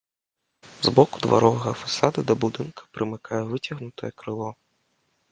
З боку дваровага фасада да будынка прымыкае выцягнутае крыло.